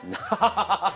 ハハハッ。